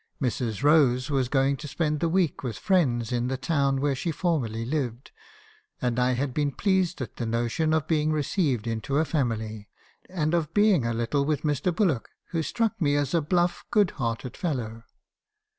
Mrs. Rose was going to spend the week with friends in the town where she formerly lived; and I had been pleased at the notion of being received into a family , and of being a little with Mr. Bullock, who struck me as a bluff good hearted fellow.